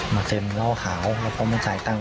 มาเซ่นเหร่าขาวละพอมาจ่ายตังค์